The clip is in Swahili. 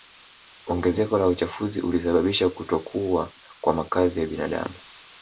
Ongezeko la uchafuzi ulisababisha kutokuwa kwa makazi ya binadamu